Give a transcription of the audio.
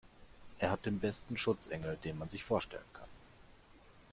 Er hat den besten Schutzengel, den man sich vorstellen kann.